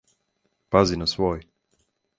Пази на свој.